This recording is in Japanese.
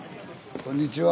こんにちは。